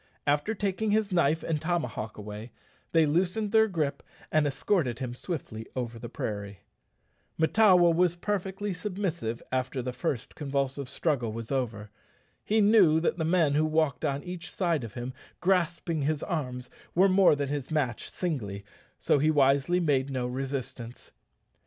After taking his knife and tomahawk away, they loosened their gripe and escorted him swiftly over the prairie. Mahtawa was perfectly submissive after the first convulsive struggle was over. He knew that the men who walked on each side of him grasping his arms were more than his match singly, so he wisely made no resistance.